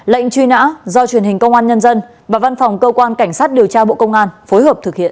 lệnh truy nã do truyền hình công an nhân dân và văn phòng cơ quan cảnh sát điều tra bộ công an phối hợp thực hiện